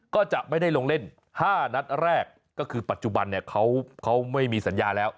ก็จะไม่ได้ลงเล่น๕นัดแรกก็คือปัจจุบันเนี่ยเขาไม่มีสัญญาแล้ว